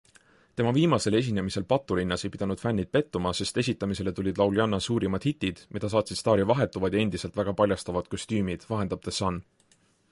Tema viimasel esinemisel patulinnas ei pidanud fännid pettuma, sest esitamisele tulid lauljanna suurimad hitid, mida saatsid staari vahetuvad ja endiselt väga paljastavad kostüümid, vahendab The Sun.